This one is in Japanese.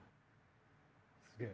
すげえ。